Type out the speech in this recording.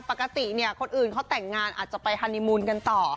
ปกติเนี่ยคนอื่นเขาแต่งงานอาจจะไปฮานีมูลกันต่อ